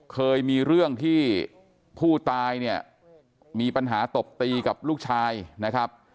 เคยมีเรื่องที่ผู้ตายเนี่ยมีปัญหาตบตีกับลูกชายนะครับ